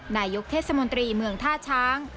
นายกเทศมนตรีเมืองท่าช้าง